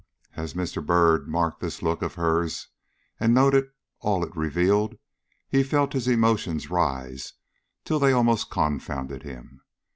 As Mr. Byrd marked this look of hers and noted all it revealed, he felt his emotions rise till they almost confounded him.